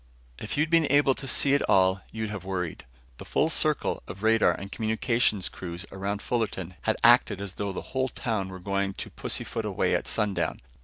If you'd been able to see it all, you'd have worried. The full circle of radar and communications crews around Fullerton had acted as though the whole town were going to pussyfoot away at sundown.